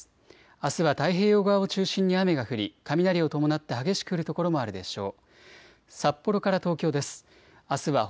あすは太平洋側を中心に雨が降り雷を伴って激しく降る所もあるでしょう。